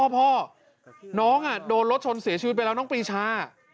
พ่อน้องโดนรถชนเสียชีวิตไปแล้วน้องปีชา